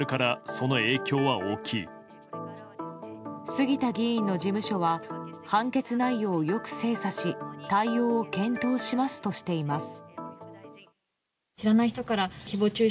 杉田議員の事務所は判決内容をよく精査し対応を検討しますとしています。